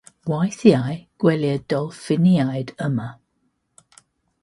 Weithiau gwelir dolffiniaid yma.